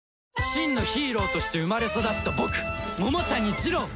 真のヒーローとして生まれ育った僕桃谷ジロウ